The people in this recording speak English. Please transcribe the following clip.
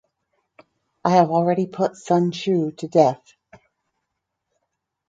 I have already put Sun Xiu to death.